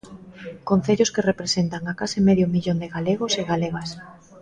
Concellos que representan a case medio millón de galegos e galegas.